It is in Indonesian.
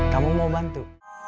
kamu mau bantu